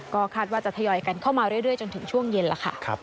ก็คาดว่าจะทยอยกันเข้ามาเรื่อยจนถึงช่วงเย็นแล้วค่ะ